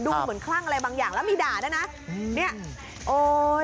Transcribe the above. เหมือนคลั่งอะไรบางอย่างแล้วมีด่าด้วยนะเนี่ยโอ้ย